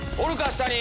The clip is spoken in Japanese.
下に。